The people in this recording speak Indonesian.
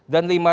dan dari kpk